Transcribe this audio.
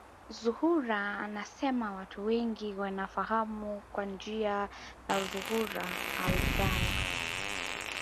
Zuhura anasema watu wengi wanamfahamu kwa jina la Zuhura Abdallah